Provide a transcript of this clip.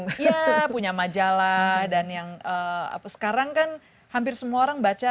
usia punya majalah dan yang sekarang kan hampir semua orang baca